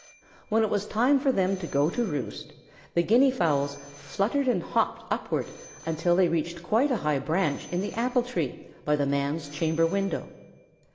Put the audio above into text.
When it was time for them to go to roost, the Guinea fowls fluttered and hopped upward until they reached quite a high branch in the apple tree by the Man's chamber window.